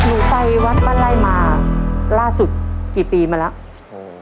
หนูไปวัดปั้นไล่มาล่าสุดกี่ปีมาแล้ว